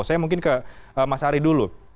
saya mungkin ke mas ari dulu